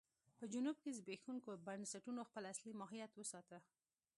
په جنوب کې زبېښونکو بنسټونو خپل اصلي ماهیت وساته.